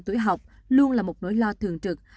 tuổi học luôn là một nỗi lo thường trực